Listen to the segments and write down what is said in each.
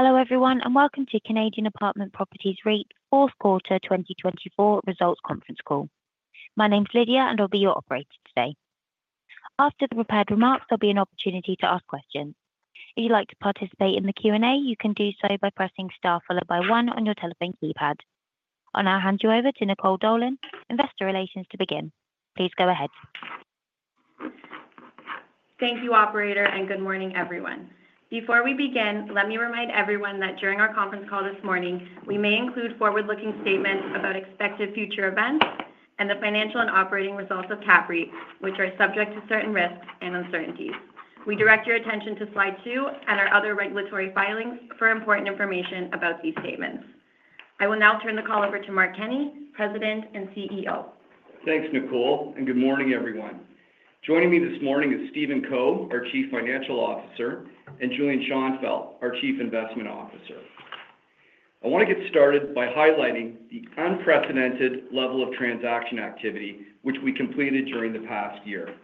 Hello everyone and welcome to Canadian Apartment Properties REIT's Q4 2024 results conference call. My name's Lydia and I'll be your operator today. After the prepared remarks, there'll be an opportunity to ask questions. If you'd like to participate in the Q&A, you can do so by pressing star followed by one on your telephone keypad. I'll now hand you over to Nicole Dolan, Investor Relations, to begin. Please go ahead. Thank you, Operator, and good morning everyone. Before we begin, let me remind everyone that during our conference call this morning, we may include forward-looking statements about expected future events and the financial and operating results of CAPREIT, which are subject to certain risks and uncertainties. We direct your attention to slide two and our other regulatory filings for important information about these statements. I will now turn the call over to Mark Kenney, President and CEO. Thanks, Nicole, and good morning everyone. Joining me this morning is Stephen Co, our Chief Financial Officer, and Julian Schonfeldt, our Chief Investment Officer. I want to get started by highlighting the unprecedented level of transaction activity which we completed during the past year.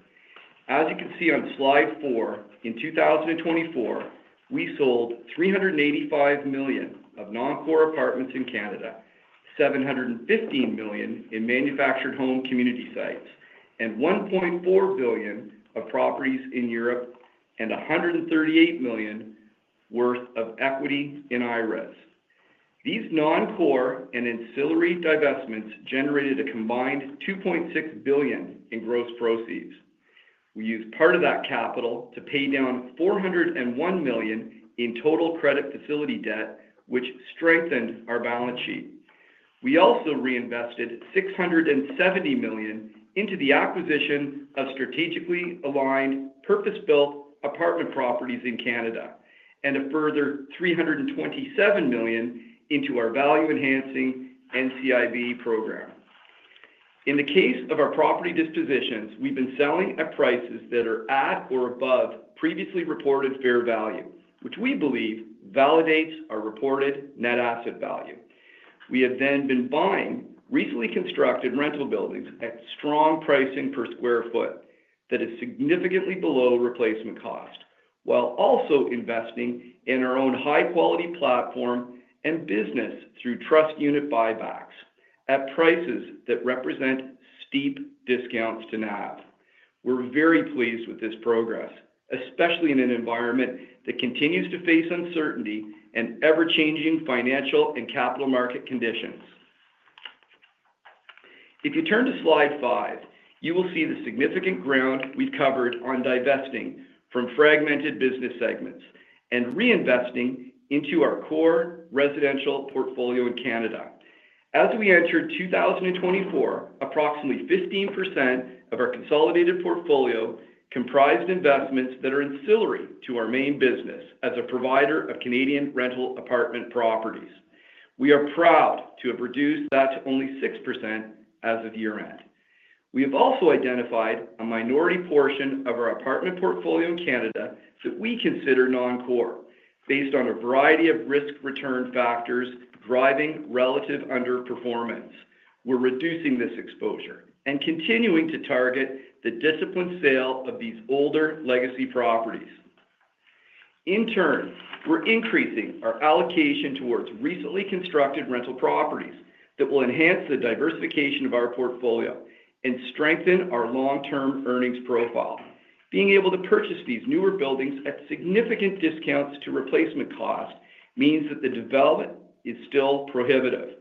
As you can see on slide four, in 2024, we sold 385 million of non-core apartments in Canada, 715 million in manufactured home community sites, and 1.4 billion of properties in Europe and 138 million worth of equity in ERES. These non-core and ancillary divestments generated a combined 2.6 billion in gross proceeds. We used part of that capital to pay down 401 million in total credit facility debt, which strengthened our balance sheet. We also reinvested 670 million into the acquisition of strategically aligned, purpose-built apartment properties in Canada and a further 327 million into our value-enhancing NCIB program. In the case of our property dispositions, we've been selling at prices that are at or above previously reported fair value, which we believe validates our reported net asset value. We have then been buying recently constructed rental buildings at strong pricing per square foot that is significantly below replacement cost, while also investing in our own high-quality platform and business through trust unit buybacks at prices that represent steep discounts to NAV. We're very pleased with this progress, especially in an environment that continues to face uncertainty and ever-changing financial and capital market conditions. If you turn to slide five, you will see the significant ground we've covered on divesting from fragmented business segments and reinvesting into our core residential portfolio in Canada. As we entered 2024, approximately 15% of our consolidated portfolio comprised investments that are ancillary to our main business as a provider of Canadian rental apartment properties. We are proud to have reduced that to only 6% as of year-end. We have also identified a minority portion of our apartment portfolio in Canada that we consider non-core based on a variety of risk return factors driving relative underperformance. We're reducing this exposure and continuing to target the disciplined sale of these older legacy properties. In turn, we're increasing our allocation towards recently constructed rental properties that will enhance the diversification of our portfolio and strengthen our long-term earnings profile. Being able to purchase these newer buildings at significant discounts to replacement cost means that the development is still prohibitive,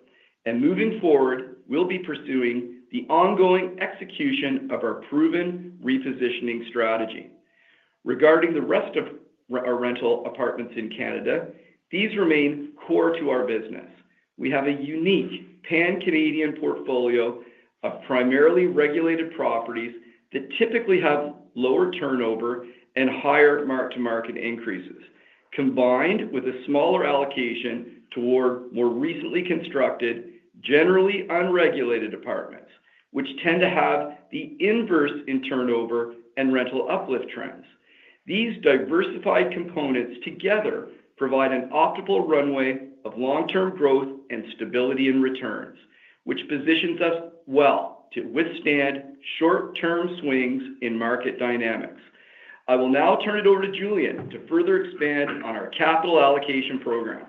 and moving forward, we'll be pursuing the ongoing execution of our proven repositioning strategy. Regarding the rest of our rental apartments in Canada, these remain core to our business. We have a unique pan-Canadian portfolio of primarily regulated properties that typically have lower turnover and higher mark-to-market increases, combined with a smaller allocation toward more recently constructed, generally unregulated apartments, which tend to have the inverse in turnover and rental uplift trends. These diversified components together provide an optimal runway of long-term growth and stability in returns, which positions us well to withstand short-term swings in market dynamics. I will now turn it over to Julian to further expand on our capital allocation program.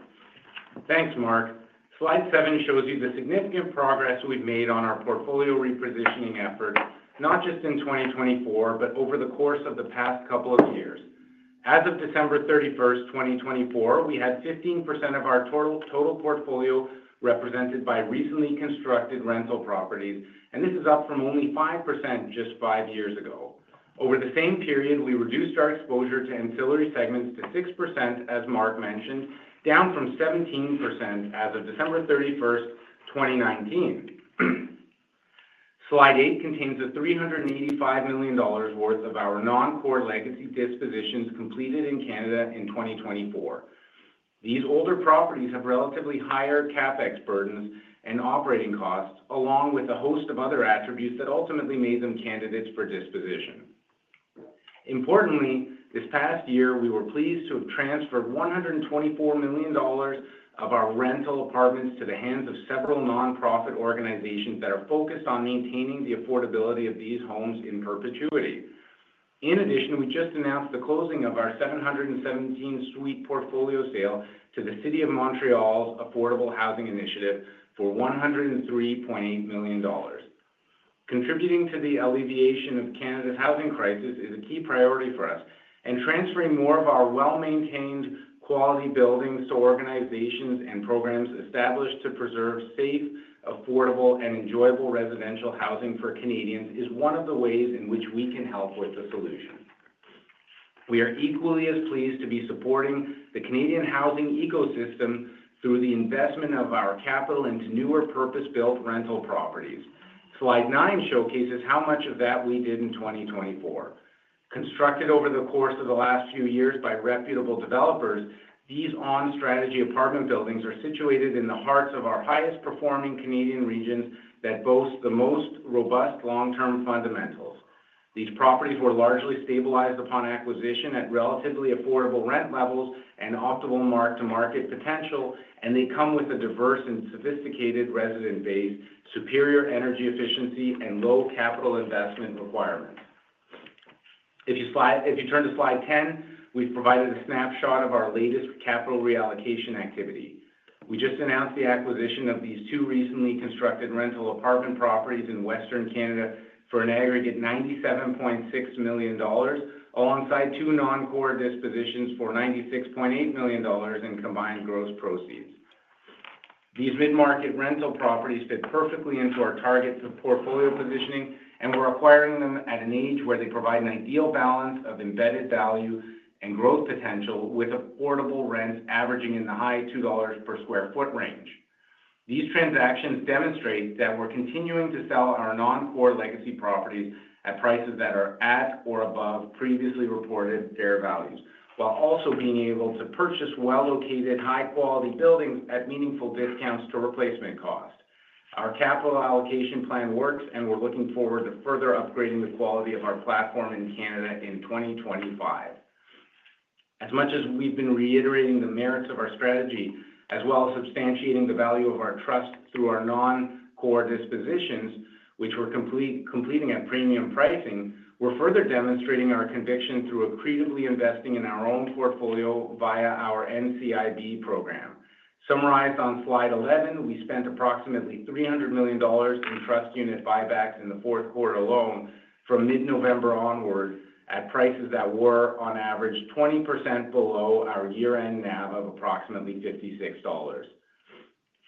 Thanks, Mark. Slide seven shows you the significant progress we've made on our portfolio repositioning effort, not just in 2024, but over the course of the past couple of years. As of December 31st, 2024, we had 15% of our total portfolio represented by recently constructed rental properties, and this is up from only 5% just five years ago. Over the same period, we reduced our exposure to ancillary segments to 6%, as Mark mentioned, down from 17% as of December 31st, 2019. Slide eight contains the 385 million dollars worth of our non-core legacy dispositions completed in Canada in 2024. These older properties have relatively higher CapEx burdens and operating costs, along with a host of other attributes that ultimately made them candidates for disposition. Importantly, this past year, we were pleased to have transferred 124 million dollars of our rental apartments to the hands of several nonprofit organizations that are focused on maintaining the affordability of these homes in perpetuity. In addition, we just announced the closing of our 717-suite portfolio sale to the City of Montreal's Affordable Housing Initiative for 103.8 million dollars. Contributing to the alleviation of Canada's housing crisis is a key priority for us, and transferring more of our well-maintained quality buildings to organizations and programs established to preserve safe, affordable, and enjoyable residential housing for Canadians is one of the ways in which we can help with the solution. We are equally as pleased to be supporting the Canadian housing ecosystem through the investment of our capital into newer purpose-built rental properties. Slide nine showcases how much of that we did in 2024. Constructed over the course of the last few years by reputable developers, these on-strategy apartment buildings are situated in the hearts of our highest-performing Canadian regions that boast the most robust long-term fundamentals. These properties were largely stabilized upon acquisition at relatively affordable rent levels and optimal mark-to-market potential, and they come with a diverse and sophisticated resident base, superior energy efficiency, and low capital investment requirements. If you turn to slide 10, we've provided a snapshot of our latest capital reallocation activity. We just announced the acquisition of these two recently constructed rental apartment properties in Western Canada for an aggregate 97.6 million dollars, alongside two non-core dispositions for 96.8 million dollars in combined gross proceeds. These mid-market rental properties fit perfectly into our target portfolio positioning, and we're acquiring them at an age where they provide an ideal balance of embedded value and growth potential with affordable rents averaging in the high 2 dollars per sq ft range. These transactions demonstrate that we're continuing to sell our non-core legacy properties at prices that are at or above previously reported fair values, while also being able to purchase well-located, high-quality buildings at meaningful discounts to replacement cost. Our capital allocation plan works, and we're looking forward to further upgrading the quality of our platform in Canada in 2025. As much as we've been reiterating the merits of our strategy, as well as substantiating the value of our trust through our non-core dispositions, which we're completing at premium pricing, we're further demonstrating our conviction through accretively investing in our own portfolio via our NCIB program. Summarized on slide 11, we spent approximately 300 million dollars in trust unit buybacks in the Q4 alone from mid-November onward at prices that were on average 20% below our year-end NAV of approximately 56 dollars.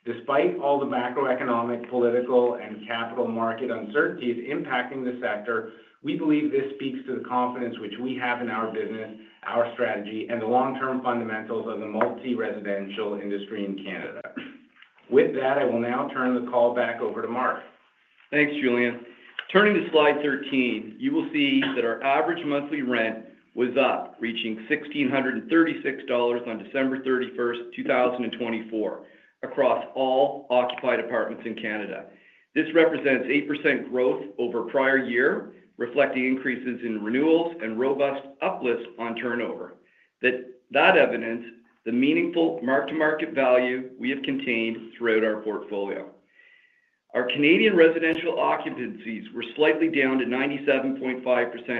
Despite all the macroeconomic, political, and capital market uncertainties impacting the sector, we believe this speaks to the confidence which we have in our business, our strategy, and the long-term fundamentals of the multi-residential industry in Canada. With that, I will now turn the call back over to Mark. Thanks, Julian. Turning to slide 13, you will see that our average monthly rent was up, reaching 1,636 dollars on December 31st, 2024, across all occupied apartments in Canada. This represents 8% growth over a prior year, reflecting increases in renewals and robust uplifts on turnover. That evidences the meaningful mark-to-market value we have contained throughout our portfolio. Our Canadian residential occupancies were slightly down to 97.5%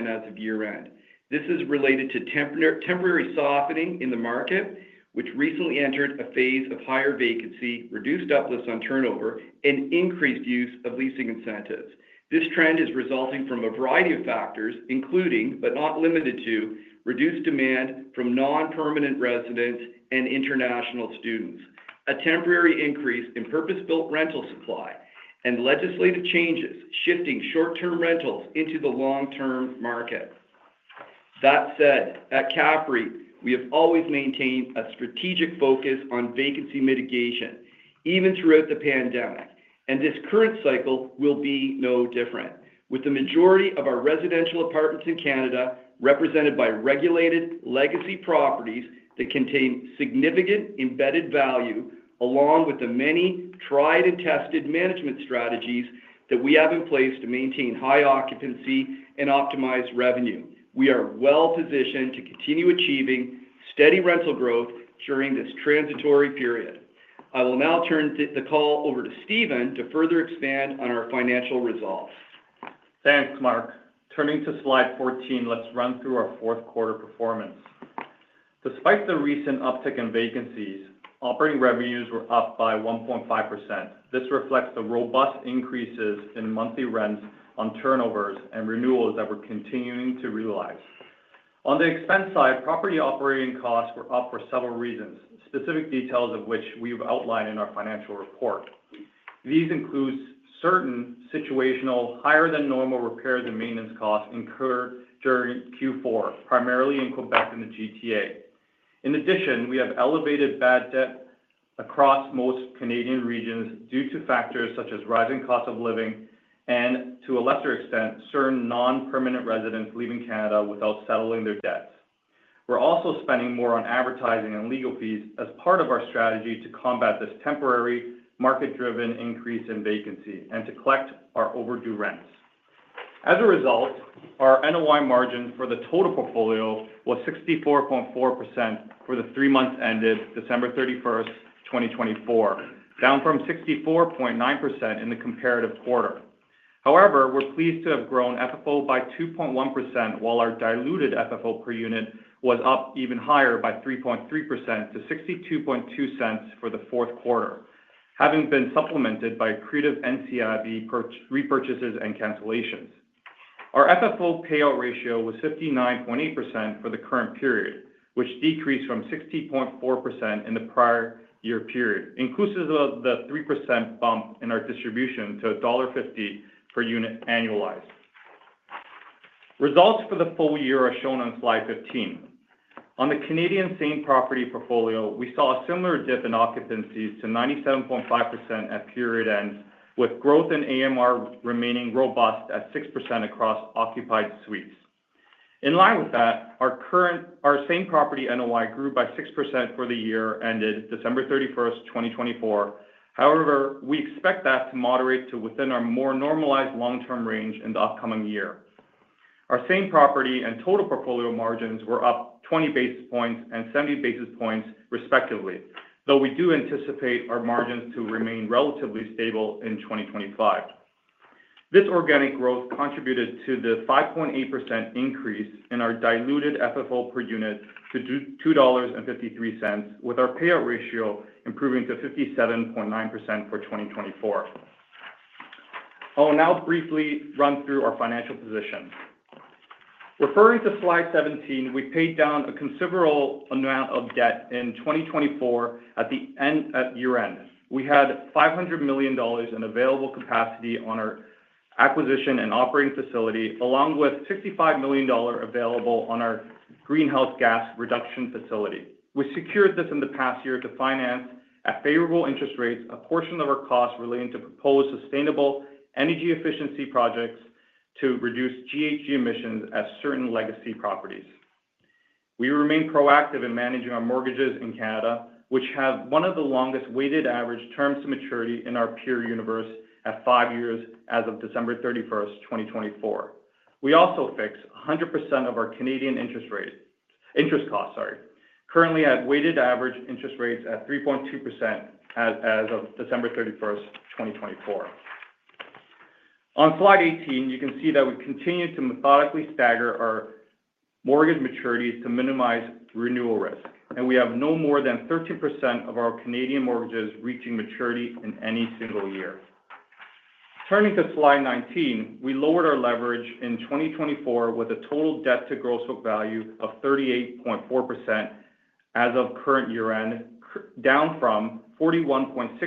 as of year-end. This is related to temporary softening in the market, which recently entered a phase of higher vacancy, reduced uplifts on turnover, and increased use of leasing incentives. This trend is resulting from a variety of factors, including, but not limited to, reduced demand from non-permanent residents and international students, a temporary increase in purpose-built rental supply, and legislative changes shifting short-term rentals into the long-term market. That said, at CAPREIT, we have always maintained a strategic focus on vacancy mitigation, even throughout the pandemic, and this current cycle will be no different, with the majority of our residential apartments in Canada represented by regulated legacy properties that contain significant embedded value, along with the many tried-and-tested management strategies that we have in place to maintain high occupancy and optimize revenue. We are well-positioned to continue achieving steady rental growth during this transitory period. I will now turn the call over to Stephen to further expand on our financial results. Thanks, Mark. Turning to slide 14, let's run through our Q4 performance. Despite the recent uptick in vacancies, operating revenues were up by 1.5%. This reflects the robust increases in monthly rents on turnovers and renewals that we're continuing to realize. On the expense side, property operating costs were up for several reasons, specific details of which we've outlined in our financial report. These include certain situational higher-than-normal repairs and maintenance costs incurred during Q4, primarily in Quebec and the GTA. In addition, we have elevated bad debt across most Canadian regions due to factors such as rising costs of living and, to a lesser extent, certain non-permanent residents leaving Canada without settling their debts. We're also spending more on advertising and legal fees as part of our strategy to combat this temporary market-driven increase in vacancy and to collect our overdue rents. As a result, our NOI margin for the total portfolio was 64.4% for the three months ended December 31st, 2024, down from 64.9% in the comparative quarter. However, we're pleased to have grown FFO by 2.1%, while our diluted FFO per unit was up even higher by 3.3% to 0.622 for the Q4, having been supplemented by accretive NCIB repurchases and cancellations. Our FFO payout ratio was 59.8% for the current period, which decreased from 60.4% in the prior year period, inclusive of the 3% bump in our distribution to dollar 1.50 per unit annualized. Results for the full year are shown on slide 15. On the Canadian same property portfolio, we saw a similar dip in occupancies to 97.5% at period ends, with growth in AMR remaining robust at 6% across occupied suites. In line with that, our same property NOI grew by 6% for the year ended December 31st, 2024. However, we expect that to moderate to within our more normalized long-term range in the upcoming year. Our same property and total portfolio margins were up 20 basis points and 70 basis points, respectively, though we do anticipate our margins to remain relatively stable in 2025. This organic growth contributed to the 5.8% increase in our diluted FFO per unit to 2.53 dollars, with our payout ratio improving to 57.9% for 2024. I'll now briefly run through our financial position. Referring to slide 17, we paid down a considerable amount of debt in 2024 at the end of year-end. We had 500 million dollars in available capacity on our acquisition and operating facility, along with 65 million dollars available on our greenhouse gas reduction facility. We secured this in the past year to finance, at favorable interest rates, a portion of our costs relating to proposed sustainable energy efficiency projects to reduce GHG emissions at certain legacy properties. We remain proactive in managing our mortgages in Canada, which have one of the longest weighted average terms to maturity in our peer universe at five years as of December 31st, 2024. We also fixed 100% of our Canadian interest costs, sorry, currently at weighted average interest rates at 3.2% as of December 31st, 2024. On slide 18, you can see that we continue to methodically stagger our mortgage maturities to minimize renewal risk, and we have no more than 13% of our Canadian mortgages reaching maturity in any single year. Turning to slide 19, we lowered our leverage in 2024 with a total debt-to-gross book value of 38.4% as of current year-end, down from 41.6%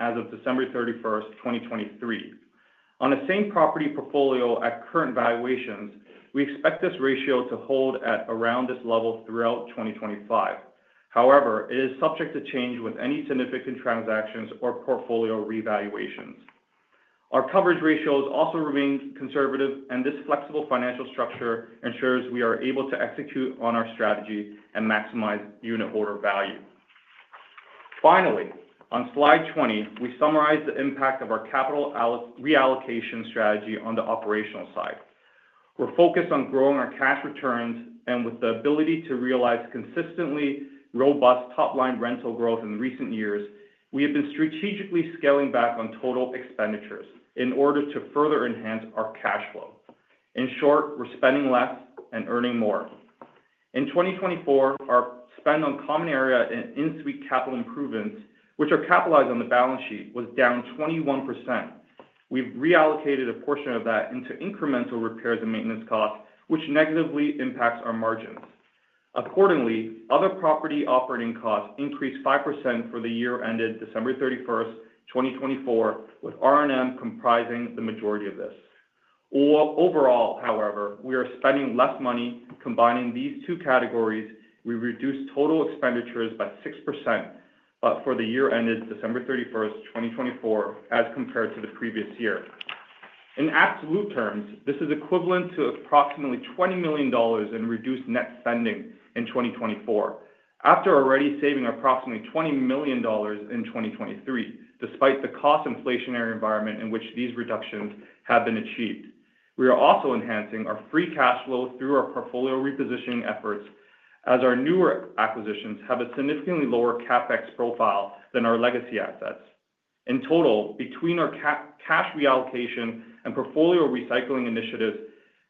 as of December 31st, 2023. On the same property portfolio at current valuations, we expect this ratio to hold at around this level throughout 2025. However, it is subject to change with any significant transactions or portfolio revaluations. Our coverage ratios also remain conservative, and this flexible financial structure ensures we are able to execute on our strategy and maximize unitholder value. Finally, on slide 20, we summarize the impact of our capital reallocation strategy on the operational side. We're focused on growing our cash returns, and with the ability to realize consistently robust top-line rental growth in recent years, we have been strategically scaling back on total expenditures in order to further enhance our cash flow. In short, we're spending less and earning more. In 2024, our spend on common area and in-suite capital improvements, which are capitalized on the balance sheet, was down 21%. We've reallocated a portion of that into incremental repairs and maintenance costs, which negatively impacts our margins. Accordingly, other property operating costs increased 5% for the year-ended December 31st, 2024, with R&M comprising the majority of this. Overall, however, we are spending less money combining these two categories. We reduced total expenditures by 6% for the year-ended December 31st, 2024, as compared to the previous year. In absolute terms, this is equivalent to approximately 20 million dollars in reduced net spending in 2024, after already saving approximately 20 million dollars in 2023, despite the cost inflationary environment in which these reductions have been achieved. We are also enhancing our free cash flow through our portfolio repositioning efforts, as our newer acquisitions have a significantly lower CapEx profile than our legacy assets. In total, between our cash reallocation and portfolio recycling initiatives,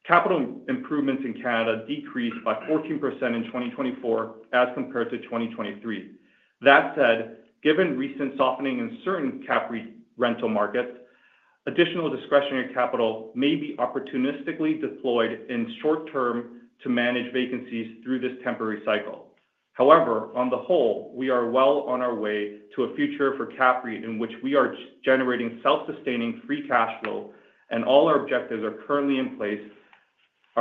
capital improvements in Canada decreased by 14% in 2024 as compared to 2023. That said, given recent softening in certain CAPREIT rental markets, additional discretionary capital may be opportunistically deployed in short term to manage vacancies through this temporary cycle. However, on the whole, we are well on our way to a future for CAPREIT in which we are generating self-sustaining free cash flow, and all our objectives are currently in place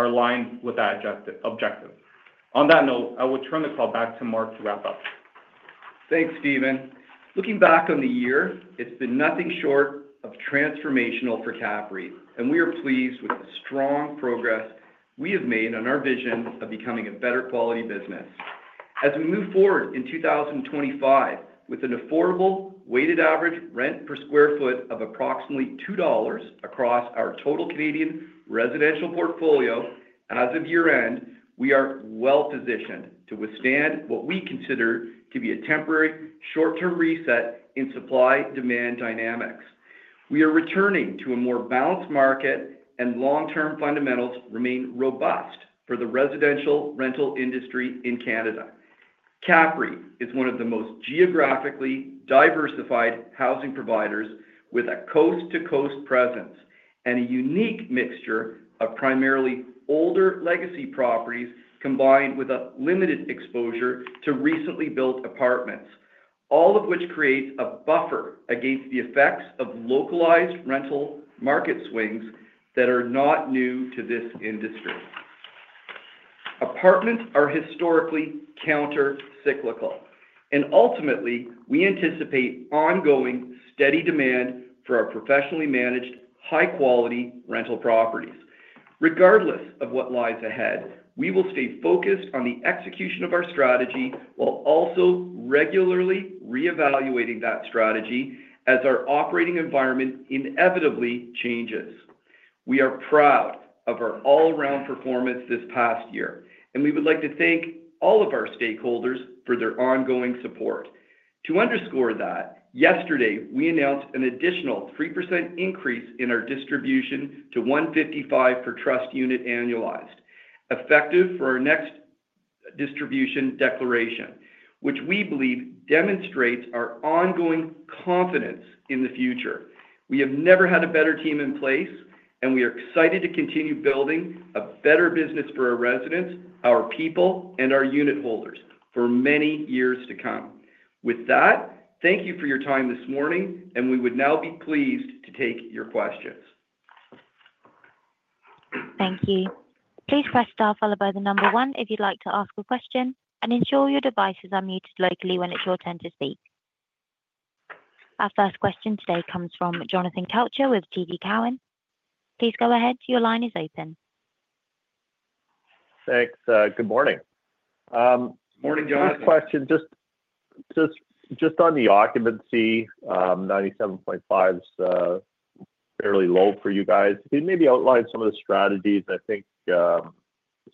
aligned with that objective. On that note, I will turn the call back to Mark to wrap up. Thanks, Stephen. Looking back on the year, it's been nothing short of transformational for CAPREIT, and we are pleased with the strong progress we have made on our vision of becoming a better quality business. As we move forward in 2025 with an affordable weighted average rent per sq ft of approximately 2 dollars across our total Canadian residential portfolio as of year-end, we are well-positioned to withstand what we consider to be a temporary short-term reset in supply-demand dynamics. We are returning to a more balanced market, and long-term fundamentals remain robust for the residential rental industry in Canada. CAPREIT is one of the most geographically diversified housing providers, with a coast-to-coast presence and a unique mixture of primarily older legacy properties combined with a limited exposure to recently built apartments, all of which creates a buffer against the effects of localized rental market swings that are not new to this industry. Apartments are historically countercyclical, and ultimately, we anticipate ongoing steady demand for our professionally managed high-quality rental properties. Regardless of what lies ahead, we will stay focused on the execution of our strategy while also regularly reevaluating that strategy as our operating environment inevitably changes. We are proud of our all-around performance this past year, and we would like to thank all of our stakeholders for their ongoing support. To underscore that, yesterday, we announced an additional 3% increase in our distribution to 155 per trust unit annualized, effective for our next distribution declaration, which we believe demonstrates our ongoing confidence in the future. We have never had a better team in place, and we are excited to continue building a better business for our residents, our people, and our unitholders for many years to come. With that, thank you for your time this morning, and we would now be pleased to take your questions. Thank you. Please press star followed by the number one if you'd like to ask a question, and ensure your device is unmuted locally when it's your turn to speak. Our first question today comes from Jonathan Kelcher with TD Cowen. Please go ahead. Your line is open. Thanks. Good morning. Morning, Jonathan. Quick question. Just on the occupancy, 97.5% is fairly low for you guys. Can you maybe outline some of the strategies? I think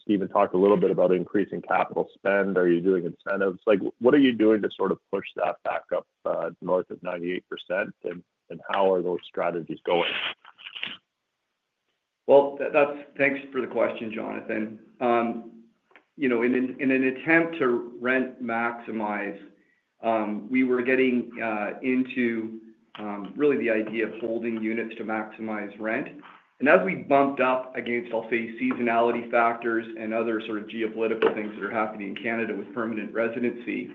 Stephen talked a little bit about increasing capital spend. Are you doing incentives? What are you doing to sort of push that back up north of 98%, and how are those strategies going? Thanks for the question, Jonathan. In an attempt to rent maximize, we were getting into really the idea of holding units to maximize rent. As we bumped up against, I'll say, seasonality factors and other sort of geopolitical things that are happening in Canada with permanent residency,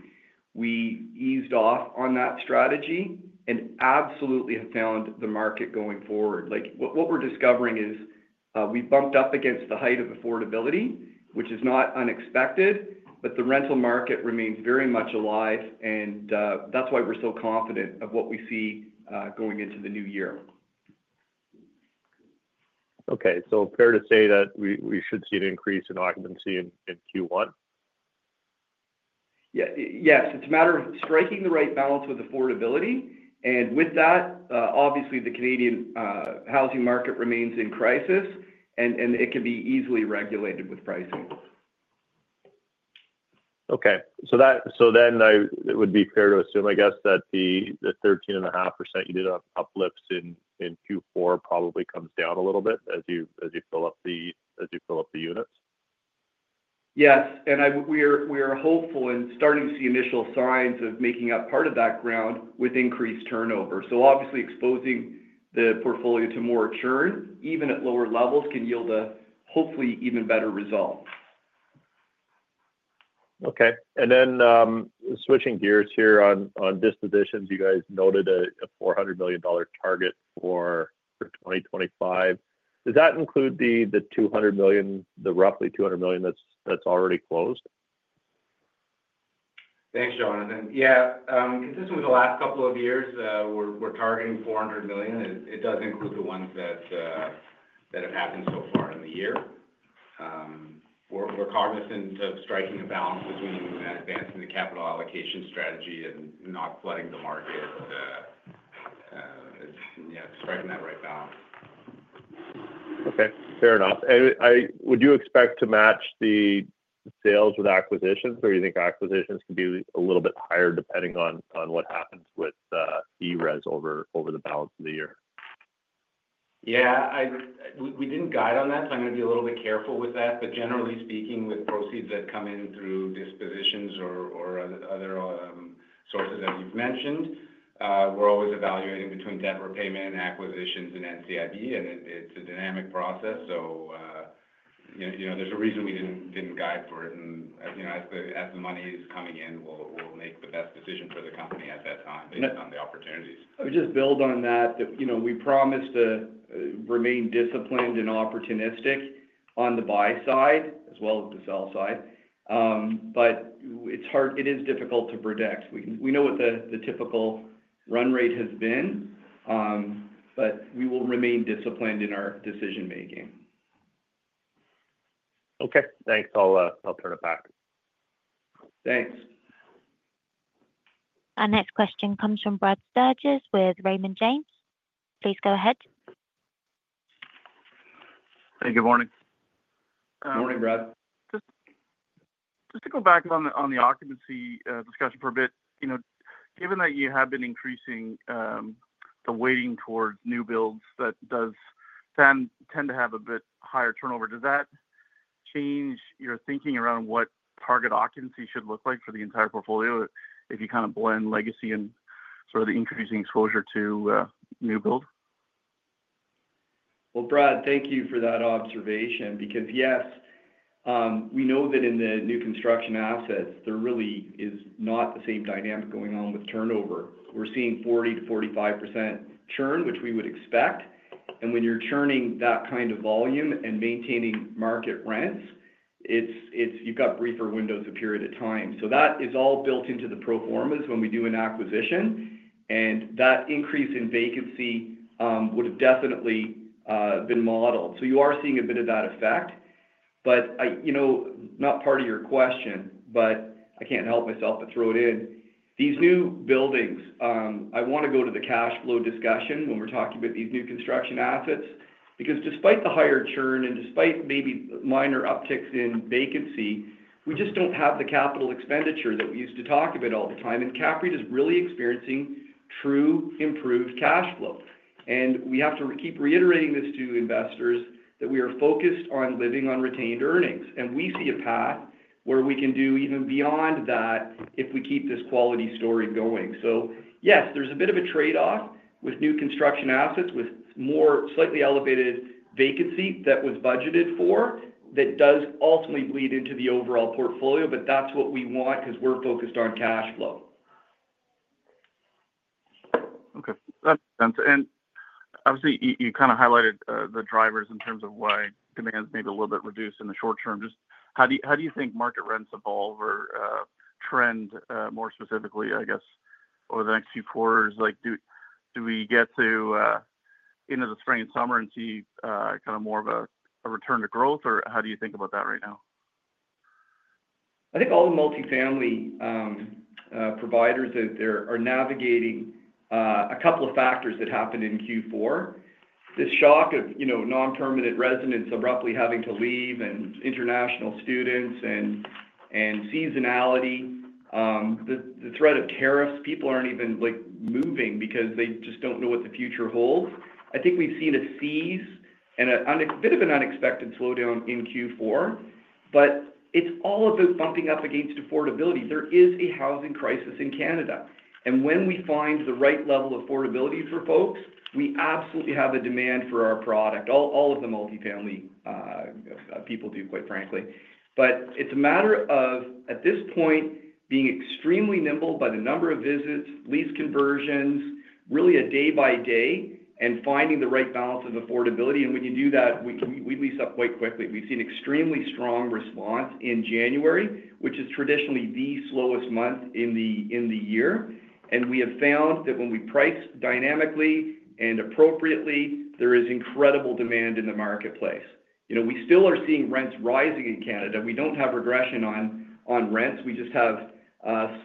we eased off on that strategy and absolutely have found the market going forward. What we're discovering is we bumped up against the height of affordability, which is not unexpected, but the rental market remains very much alive, and that's why we're so confident of what we see going into the new year. Okay, so fair to say that we should see an increase in occupancy in Q1? Yeah. Yes. It's a matter of striking the right balance with affordability. And with that, obviously, the Canadian housing market remains in crisis, and it can be easily regulated with pricing. Okay, so then it would be fair to assume, I guess, that the 13.5% you did uplift in Q4 probably comes down a little bit as you fill up the units? Yes. And we are hopeful and starting to see initial signs of making up part of that ground with increased turnover. So obviously, exposing the portfolio to more churn, even at lower levels, can yield a hopefully even better result. Okay. And then switching gears here on dispositions, you guys noted a 400 million dollar target for 2025. Does that include the 200 million, the roughly 200 million that's already closed? Thanks, Jonathan. Yeah. Consistent with the last couple of years, we're targeting 400 million. It does include the ones that have happened so far in the year. We're cognizant of striking a balance between advancing the capital allocation strategy and not flooding the market, striking that right balance. Okay. Fair enough. Would you expect to match the sales with acquisitions, or do you think acquisitions could be a little bit higher depending on what happens with ERES over the balance of the year? Yeah. We didn't guide on that, so I'm going to be a little bit careful with that, but generally speaking, with proceeds that come in through dispositions or other sources that you've mentioned, we're always evaluating between debt repayment, acquisitions, and NCIB, and it's a dynamic process, so there's a reason we didn't guide for it, and as the money is coming in, we'll make the best decision for the company at that time based on the opportunities. I would just build on that. We promised to remain disciplined and opportunistic on the buy side as well as the sell side, but it is difficult to predict. We know what the typical run rate has been, but we will remain disciplined in our decision-making. Okay. Thanks. I'll turn it back. Thanks. Our next question comes from Brad Sturges with Raymond James. Please go ahead. Hey, good morning. Morning, Brad. Just to go back on the occupancy discussion for a bit, given that you have been increasing the weighting towards new builds that does tend to have a bit higher turnover, does that change your thinking around what target occupancy should look like for the entire portfolio if you kind of blend legacy and sort of the increasing exposure to new build? Brad, thank you for that observation because, yes, we know that in the new construction assets, there really is not the same dynamic going on with turnover. We're seeing 40%-45% churn, which we would expect, and when you're churning that kind of volume and maintaining market rents, you've got briefer windows of period of time, so that is all built into the proformas when we do an acquisition, and that increase in vacancy would have definitely been modeled, so you are seeing a bit of that effect, but not part of your question, but I can't help myself but throw it in. These new buildings, I want to go to the cash flow discussion when we're talking about these new construction assets because despite the higher churn and despite maybe minor upticks in vacancy, we just don't have the capital expenditure that we used to talk about all the time. And CAPREIT is really experiencing true improved cash flow. And we have to keep reiterating this to investors that we are focused on living on retained earnings. And we see a path where we can do even beyond that if we keep this quality story going. So yes, there's a bit of a trade-off with new construction assets with more slightly elevated vacancy that was budgeted for that does ultimately bleed into the overall portfolio, but that's what we want because we're focused on cash flow. Okay. That makes sense, and obviously, you kind of highlighted the drivers in terms of why demand's maybe a little bit reduced in the short term. Just how do you think market rents evolve or trend more specifically, I guess, over the next few quarters? Do we get to the end of the spring and summer and see kind of more of a return to growth, or how do you think about that right now? I think all the multifamily providers that are navigating a couple of factors that happened in Q4. This shock of non-permanent residents abruptly having to leave and international students and seasonality, the threat of tariffs, people aren't even moving because they just don't know what the future holds. I think we've seen a freeze and a bit of an unexpected slowdown in Q4, but it's all about bumping up against affordability. There is a housing crisis in Canada, and when we find the right level of affordability for folks, we absolutely have a demand for our product. All of the multifamily people do, quite frankly, but it's a matter of, at this point, being extremely nimble by the number of visits, lease conversions, really a day-by-day, and finding the right balance of affordability, and when you do that, we lease up quite quickly. We've seen extremely strong response in January, which is traditionally the slowest month in the year, and we have found that when we price dynamically and appropriately, there is incredible demand in the marketplace. We still are seeing rents rising in Canada. We don't have regression on rents. We just have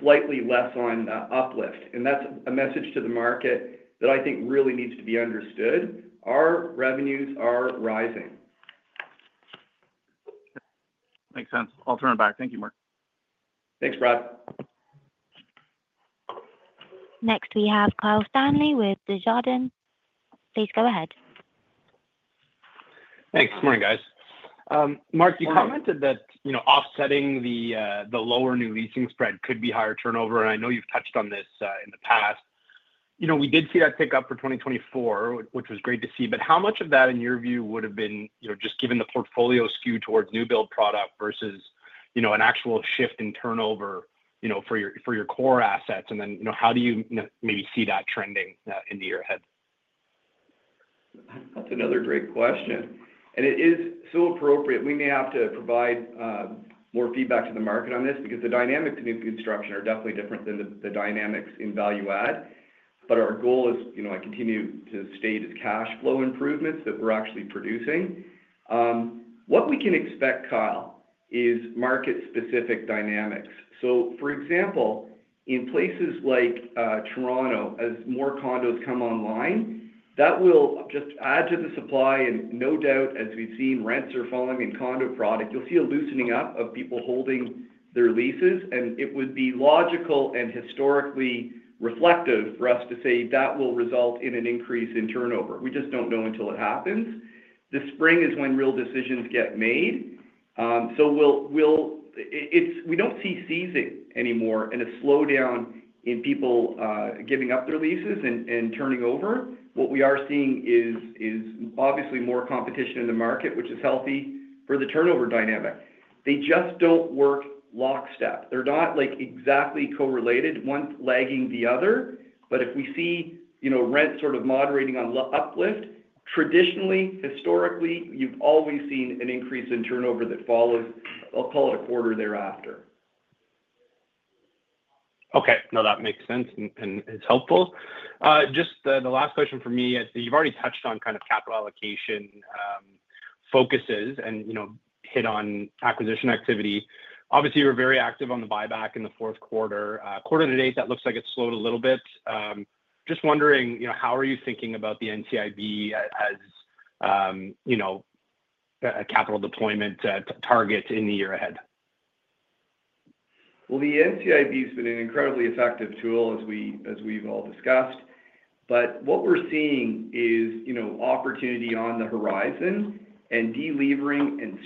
slightly less on uplift, and that's a message to the market that I think really needs to be understood. Our revenues are rising. Makes sense. I'll turn it back. Thank you, Mark. Thanks, Brad. Next, we have Kyle Stanley with Desjardins. Please go ahead. Thanks. Good morning, guys. Mark, you commented that offsetting the lower new leasing spread could be higher turnover, and I know you've touched on this in the past. We did see that pick up for 2024, which was great to see. But how much of that, in your view, would have been just given the portfolio skew towards new build product versus an actual shift in turnover for your core assets? And then how do you maybe see that trending into 2025? That's another great question. It is so appropriate. We may have to provide more feedback to the market on this because the dynamics in new construction are definitely different than the dynamics in value-add. Our goal is, I continue to state, is cash flow improvements that we're actually producing. What we can expect, Kyle, is market-specific dynamics. For example, in places like Toronto, as more condos come online, that will just add to the supply. No doubt, as we've seen, rents are falling in condo product. You'll see a loosening up of people holding their leases, and it would be logical and historically reflective for us to say that will result in an increase in turnover. We just don't know until it happens. The spring is when real decisions get made. So we don't see seizing anymore and a slowdown in people giving up their leases and turning over. What we are seeing is obviously more competition in the market, which is healthy for the turnover dynamic. They just don't work lockstep. They're not exactly correlated, one lagging the other. But if we see rent sort of moderating on uplift, traditionally, historically, you've always seen an increase in turnover that follows, I'll call it, a quarter thereafter. Okay. No, that makes sense and is helpful. Just the last question for me. You've already touched on kind of capital allocation focuses and hit on acquisition activity. Obviously, you were very active on the buyback in the Q4. Quarter to date, that looks like it's slowed a little bit. Just wondering, how are you thinking about the NCIB as a capital deployment target in the year ahead? The NCIB has been an incredibly effective tool, as we've all discussed. But what we're seeing is opportunity on the horizon, and delevering and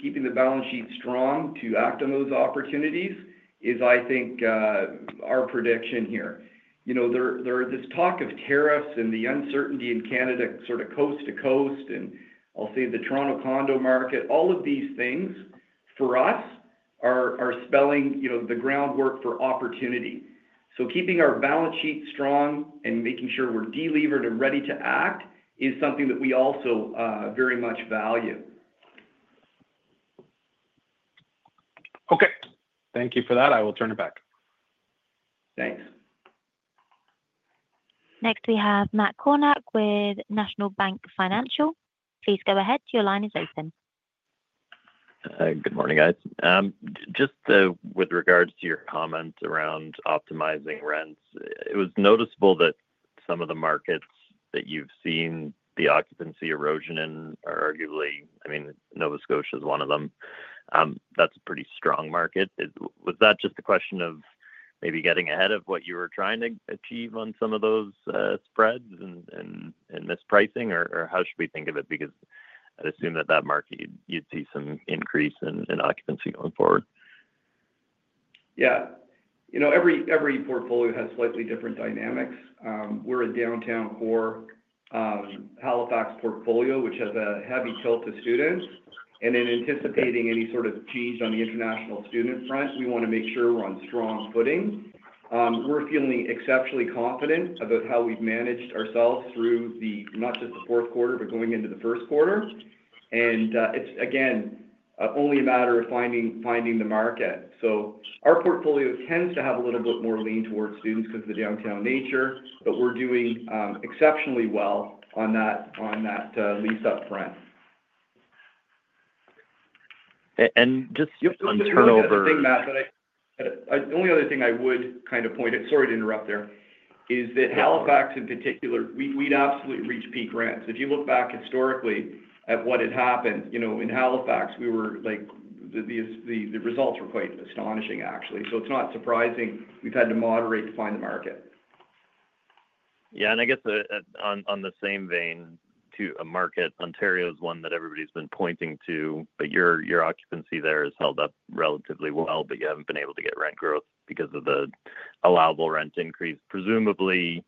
keeping the balance sheet strong to act on those opportunities is, I think, our priority here. There is this talk of tariffs and the uncertainty in Canada sort of coast to coast, and I'll say the Toronto condo market. All of these things, for us, are laying the groundwork for opportunity. Keeping our balance sheet strong and making sure we're positioned and ready to act is something that we also very much value. Okay. Thank you for that. I will turn it back. Thanks. Next, we have Matt Kornack with National Bank Financial. Please go ahead. Your line is open. Good morning, guys. Just with regards to your comments around optimizing rents, it was noticeable that some of the markets that you've seen the occupancy erosion in are arguably - I mean, Nova Scotia is one of them. That's a pretty strong market. Was that just a question of maybe getting ahead of what you were trying to achieve on some of those spreads and mispricing, or how should we think of it? Because I'd assume that that market, you'd see some increase in occupancy going forward. Yeah. Every portfolio has slightly different dynamics. We're a downtown core Halifax portfolio, which has a heavy tilt to students. And in anticipating any sort of change on the international student front, we want to make sure we're on strong footing. We're feeling exceptionally confident about how we've managed ourselves through not just the Q4, but going into the Q1. And it's, again, only a matter of finding the market. So our portfolio tends to have a little bit more lean towards students because of the downtown nature, but we're doing exceptionally well on that lease up front. Just on turnover. The only other thing I would kind of point at, sorry to interrupt there, is that Halifax, in particular, we'd absolutely reached peak rents. If you look back historically at what had happened in Halifax, the results were quite astonishing, actually. So it's not surprising we've had to moderate to find the market. Yeah. And I guess on the same vein, too, a market, Ontario is one that everybody's been pointing to, but your occupancy there has held up relatively well, but you haven't been able to get rent growth because of the allowable rent increase. Presumably,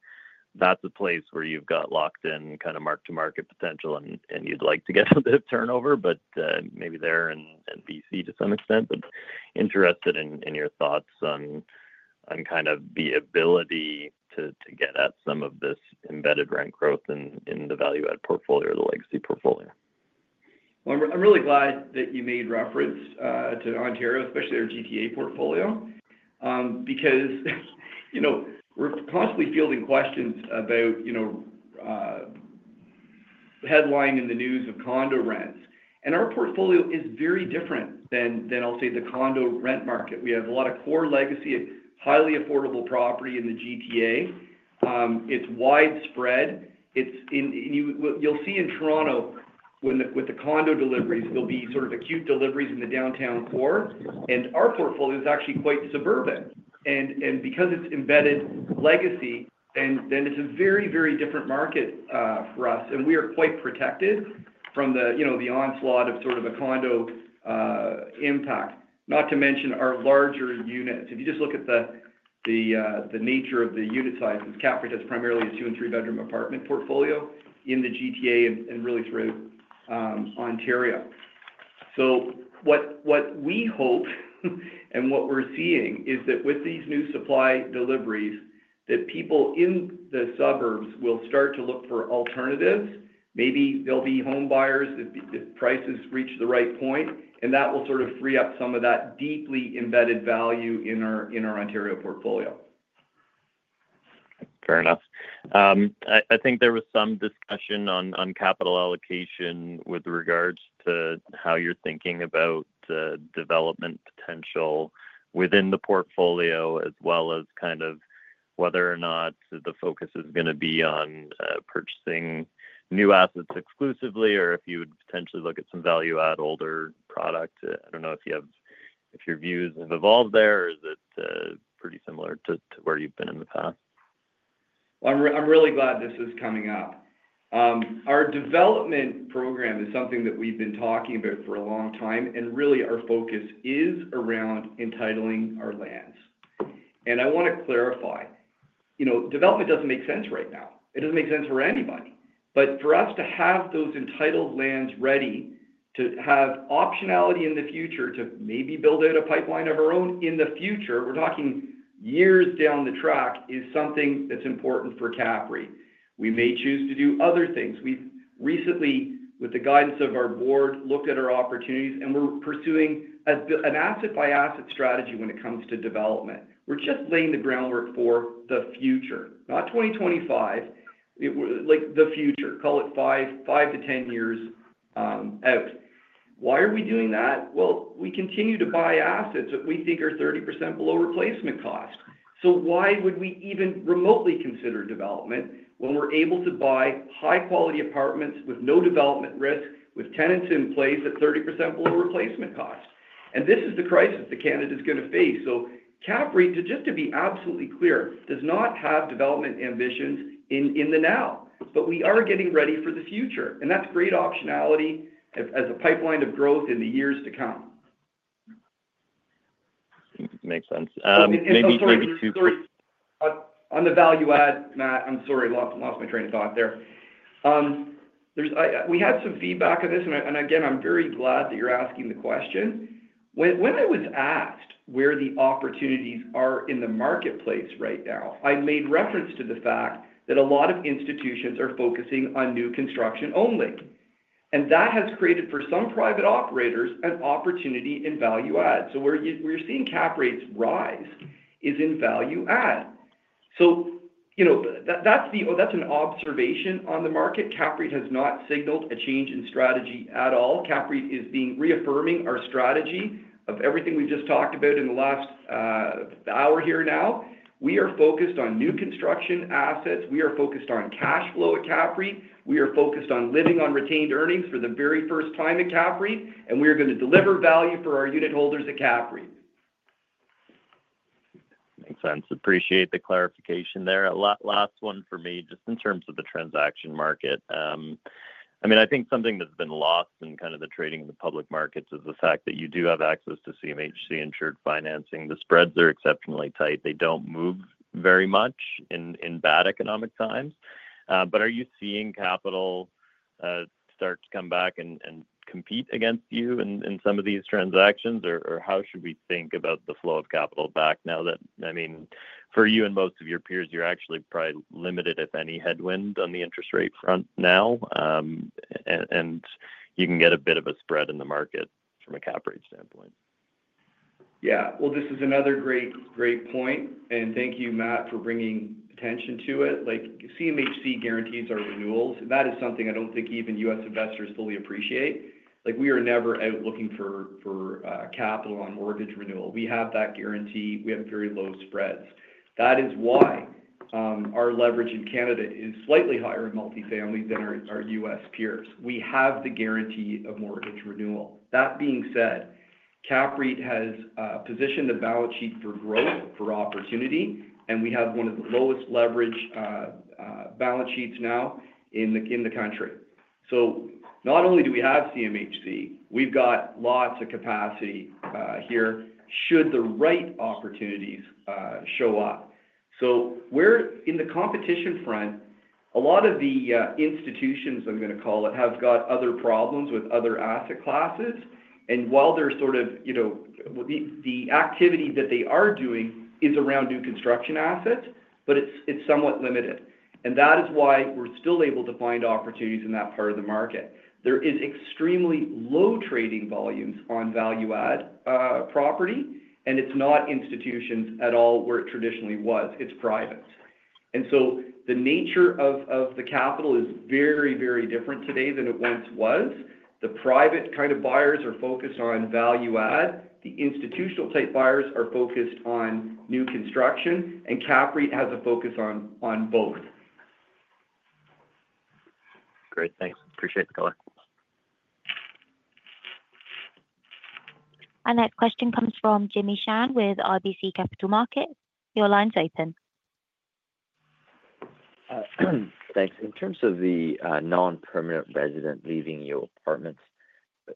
that's a place where you've got locked-in kind of mark-to-market potential, and you'd like to get a bit of turnover, but maybe there and BC to some extent. But interested in your thoughts on kind of the ability to get at some of this embedded rent growth in the value-add portfolio or the legacy portfolio. I'm really glad that you made reference to Ontario, especially their GTA portfolio, because we're constantly fielding questions about headlining the news of condo rents. Our portfolio is very different than, I'll say, the condo rent market. We have a lot of core legacy, highly affordable property in the GTA. It's widespread. You'll see in Toronto, with the condo deliveries, there'll be sort of acute deliveries in the downtown core. Our portfolio is actually quite suburban. Because it's embedded legacy, then it's a very, very different market for us. We are quite protected from the onslaught of sort of a condo impact, not to mention our larger units. If you just look at the nature of the unit sizes, CAPREIT has primarily a two- and three-bedroom apartment portfolio in the GTA and really throughout Ontario. So what we hope and what we're seeing is that with these new supply deliveries, that people in the suburbs will start to look for alternatives. Maybe there'll be homebuyers if prices reach the right point, and that will sort of free up some of that deeply embedded value in our Ontario portfolio. Fair enough. I think there was some discussion on capital allocation with regards to how you're thinking about development potential within the portfolio, as well as kind of whether or not the focus is going to be on purchasing new assets exclusively or if you would potentially look at some value-add older product. I don't know if your views have evolved there, or is it pretty similar to where you've been in the past? I'm really glad this is coming up. Our development program is something that we've been talking about for a long time, and really our focus is around entitling our lands, and I want to clarify. Development doesn't make sense right now. It doesn't make sense for anybody, but for us to have those entitled lands ready to have optionality in the future to maybe build out a pipeline of our own in the future, we're talking years down the track, is something that's important for CAPREIT. We may choose to do other things. We've recently, with the guidance of our board, looked at our opportunities, and we're pursuing an asset-by-asset strategy when it comes to development. We're just laying the groundwork for the future, not 2025, the future. Call it five to 10 years out. Why are we doing that? We continue to buy assets that we think are 30% below replacement cost. Why would we even remotely consider development when we're able to buy high-quality apartments with no development risk, with tenants in place at 30% below replacement cost? This is the crisis that Canada is going to face. CAPREIT, just to be absolutely clear, does not have development ambitions in the now. We are getting ready for the future. That's great optionality as a pipeline of growth in the years to come. Makes sense. Maybe two quick. On the value-add, Matt, I'm sorry. Lost my train of thought there. We had some feedback on this, and again, I'm very glad that you're asking the question. When I was asked where the opportunities are in the marketplace right now, I made reference to the fact that a lot of institutions are focusing on new construction only, and that has created, for some private operators, an opportunity in value-add, so where you're seeing CAPREIT's rise is in value-add. So that's an observation on the market. CAPREIT has not signaled a change in strategy at all. CAPREIT is reaffirming our strategy of everything we've just talked about in the last hour here now. We are focused on new construction assets. We are focused on cash flow at CAPREIT. We are focused on living on retained earnings for the very first time at CAPREIT. We are going to deliver value for our unitholders at CAPREIT. Makes sense. Appreciate the clarification there. Last one for me, just in terms of the transaction market. I mean, I think something that's been lost in kind of the trading in the public markets is the fact that you do have access to CMHC-insured financing. The spreads are exceptionally tight. They don't move very much in bad economic times. But are you seeing capital start to come back and compete against you in some of these transactions? Or how should we think about the flow of capital back now that, I mean, for you and most of your peers, you're actually probably limited, if any, headwind on the interest rate front now, and you can get a bit of a spread in the market from a CAPREIT standpoint? Yeah, well, this is another great point, and thank you, Matt, for bringing attention to it. CMHC guarantees our renewals, and that is something I don't think even U.S. investors fully appreciate. We are never out looking for capital on mortgage renewal. We have that guarantee. We have very low spreads. That is why our leverage in Canada is slightly higher in multifamily than our U.S. peers. We have the guarantee of mortgage renewal. That being said, CAPREIT has positioned the balance sheet for growth, for opportunity, and we have one of the lowest leverage balance sheets now in the country. So not only do we have CMHC, we've got lots of capacity here should the right opportunities show up, so in the competition front, a lot of the institutions, I'm going to call it, have got other problems with other asset classes. And while they're sort of the activity that they are doing is around new construction assets, but it's somewhat limited. And that is why we're still able to find opportunities in that part of the market. There are extremely low trading volumes on value-add property, and it's not institutions at all where it traditionally was. It's private. And so the nature of the capital is very, very different today than it once was. The private kind of buyers are focused on value-add. The institutional-type buyers are focused on new construction, and CAPREIT has a focus on both. Great. Thanks. Appreciate the color. Our next question comes from Jimmy Shan with RBC Capital Markets. Your line's open. Thanks. In terms of the non-permanent resident leaving your apartments,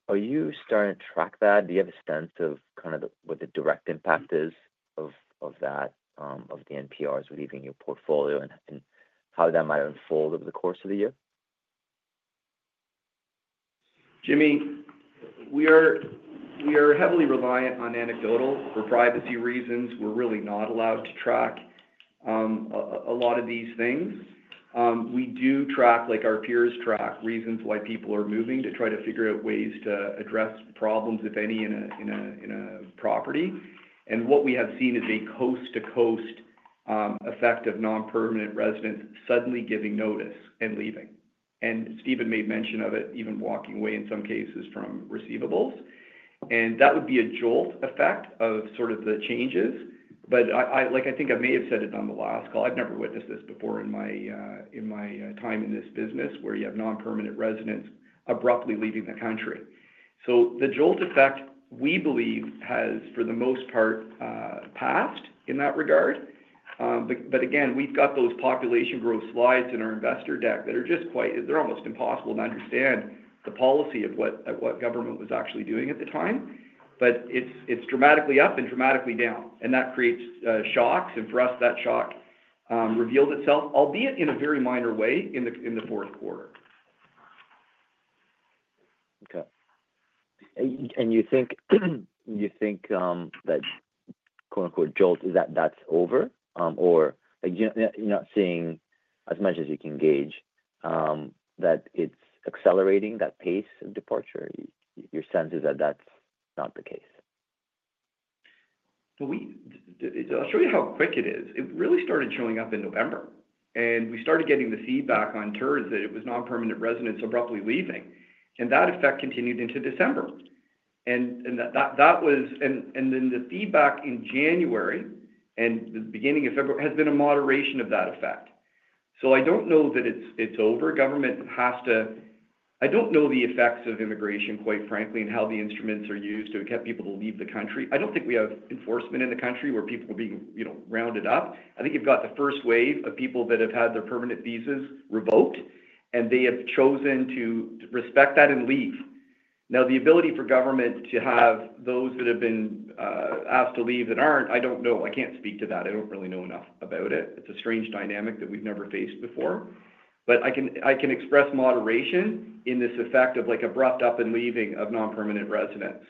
are you starting to track that? Do you have a sense of kind of what the direct impact is of that, of the NPRs leaving your portfolio and how that might unfold over the course of the year? Jimmy, we are heavily reliant on anecdotal. For privacy reasons, we're really not allowed to track a lot of these things. We do track, like our peers track, reasons why people are moving to try to figure out ways to address problems, if any, in a property. And what we have seen is a coast-to-coast effect of non-permanent residents suddenly giving notice and leaving. And Stephen made mention of it, even walking away in some cases from receivables. And that would be a jolt effect of sort of the changes. But I think I may have said it on the last call. I've never witnessed this before in my time in this business where you have non-permanent residents abruptly leaving the country. So the jolt effect, we believe, has for the most part passed in that regard. But again, we've got those population growth slides in our investor deck that are just quite, they're almost impossible to understand the policy of what government was actually doing at the time. But it's dramatically up and dramatically down. And that creates shocks. And for us, that shock revealed itself, albeit in a very minor way, in the Q4. Okay. And you think that "jolt" is that that's over, or you're not seeing as much as you can gauge that it's accelerating that pace of departure? Your sense is that that's not the case. I'll show you how quick it is. It really started showing up in November. And we started getting the feedback on turns that it was non-permanent residents abruptly leaving. And that effect continued into December. And then the feedback in January and the beginning of February has been a moderation of that effect. So I don't know that it's over. Government has to. I don't know the effects of immigration, quite frankly, and how the instruments are used to get people to leave the country. I don't think we have enforcement in the country where people are being rounded up. I think you've got the first wave of people that have had their permanent visas revoked, and they have chosen to respect that and leave. Now, the ability for government to have those that have been asked to leave that aren't, I don't know. I can't speak to that. I don't really know enough about it. It's a strange dynamic that we've never faced before, but I can express moderation in this effect of abrupt up and leaving of non-permanent residents.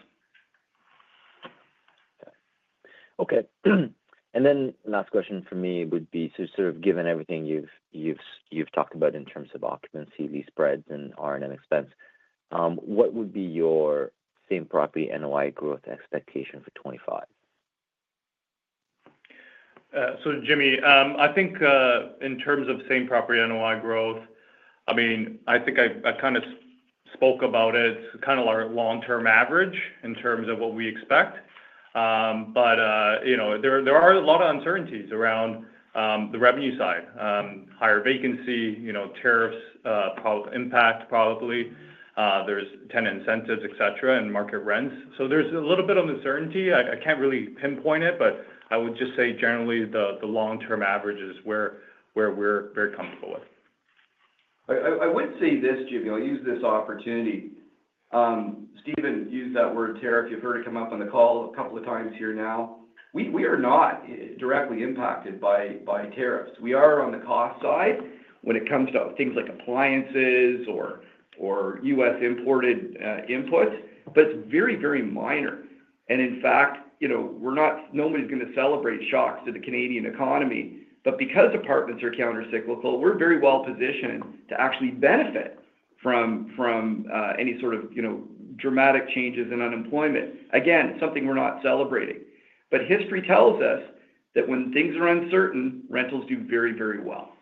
Okay. And then the last question for me would be, so sort of given everything you've talked about in terms of occupancy, lease spreads, and R&M expense, what would be your same property NOI growth expectation for 2025? So, Jimmy, I think in terms of same property NOI growth, I mean, I think I kind of spoke about it, kind of our long-term average in terms of what we expect. But there are a lot of uncertainties around the revenue side, higher vacancy, tariffs, impact probably. There's tenant incentives, etc., and market rents. So there's a little bit of uncertainty. I can't really pinpoint it, but I would just say generally the long-term average is where we're very comfortable with. I would say this, Jimmy. I'll use this opportunity. Stephen used that word tariff. You've heard it come up on the call a couple of times here now. We are not directly impacted by tariffs. We are on the cost side when it comes to things like appliances or U.S. imported inputs, but it's very, very minor. And in fact, nobody's going to celebrate shocks to the Canadian economy. But because apartments are countercyclical, we're very well positioned to actually benefit from any sort of dramatic changes in unemployment. Again, it's something we're not celebrating. But history tells us that when things are uncertain, rentals do very, very well.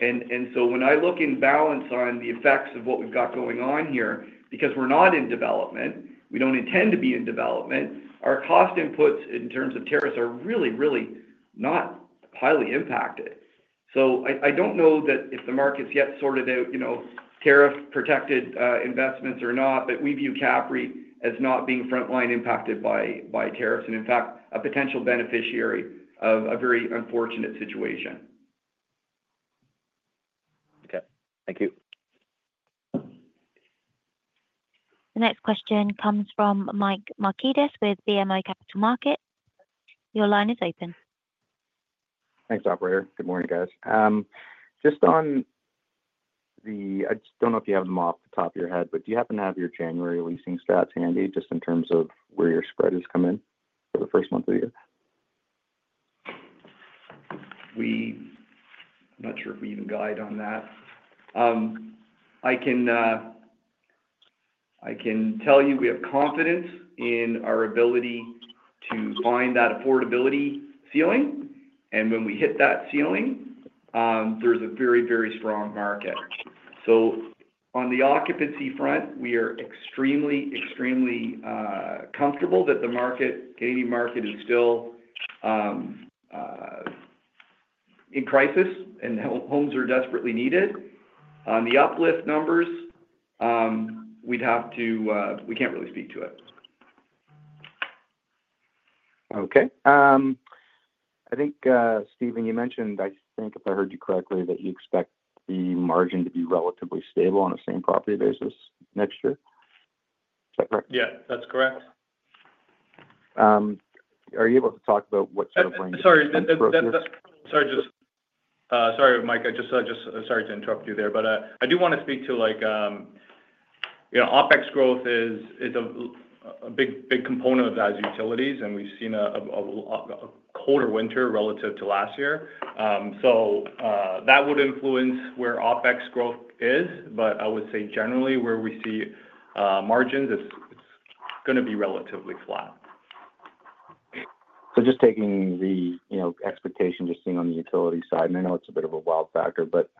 When I look in balance on the effects of what we've got going on here, because we're not in development, we don't intend to be in development, our cost inputs in terms of tariffs are really, really not highly impacted. So I don't know that if the market's yet sorted out tariff-protected investments or not, but we view CAPREIT as not being frontline impacted by tariffs and, in fact, a potential beneficiary of a very unfortunate situation. Okay. Thank you. The next question comes from Mike Markidis with BMO Capital Markets. Your line is open. Thanks, operator. Good morning, guys. Just on the, I just don't know if you have them off the top of your head, but do you happen to have your January leasing stats handy just in terms of where your spread has come in for the first month of the year? I'm not sure if we even guide on that. I can tell you we have confidence in our ability to find that affordability ceiling. And when we hit that ceiling, there's a very, very strong market. So on the occupancy front, we are extremely, extremely comfortable that the Canadian market is still in crisis and homes are desperately needed. On the uplift numbers, we'd have to—we can't really speak to it. Okay. I think, Stephen, you mentioned, I think, if I heard you correctly, that you expect the margin to be relatively stable on a same property basis next year. Is that correct? Yeah. That's correct. Are you able to talk about what sort of ranges? Sorry. Sorry, Mike. I'm sorry to interrupt you there, but I do want to speak to OpEx growth is a big component of those utilities, and we've seen a colder winter relative to last year. So that would influence where OpEx growth is. But I would say generally where we see margins, it's going to be relatively flat. So just taking the expectation just seeing on the utility side, and I know it's a bit of a wild factor, but